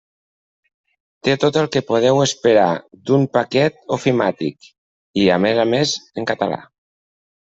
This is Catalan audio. Té tot el que podeu esperar d'un paquet ofimàtic i, a més a més, en català.